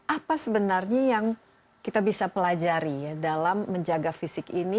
apa sebenarnya yang kita bisa pelajari dalam menjaga fisik ini